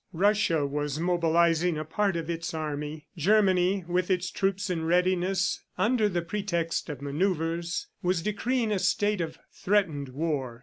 Russia was mobilizing a part of its army. Germany, with its troops in readiness under the pretext of manoeuvres, was decreeing the state of "threatened war."